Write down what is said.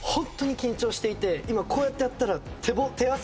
今こうやってやったら。